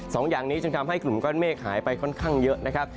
สองอย่างนี้จึงทำให้กลุ่มก้อนเมฆหายไปค่อนข้างเยอะนะครับ